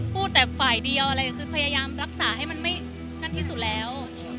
พูดแต่ฝ่ายเดียวอะไรคือพยายามรักษาให้มันไม่นั่นที่สุดแล้ว